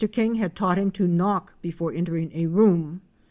King had taught him to knock before entering a room.